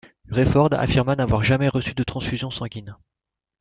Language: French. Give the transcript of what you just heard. Rayford affirma n'avoir jamais reçu de transfusion sanguine.